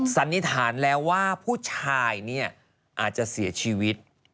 สันนิษฐานแล้วว่าผู้ชายเนี่ยอาจจะเสียชีวิต